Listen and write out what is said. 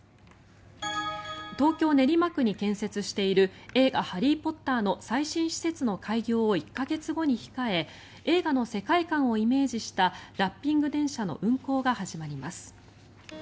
東京・練馬区に建設している映画「ハリー・ポッター」の最新施設の開業を１か月後に控え映画の世界観をイメージしたラッピング電車の運行が始まります。